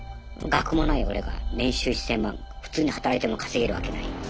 学もない俺が年収１，０００万普通に働いても稼げるわけない。